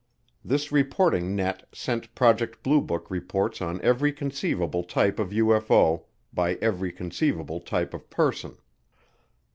This reporting net sent Project Blue Book reports on every conceivable type of UFO, by every conceivable type of person.